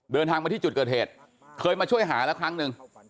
เดินทางมาที่จุดเกิดเหตุเคยมาช่วยหาแล้วครั้งหนึ่ง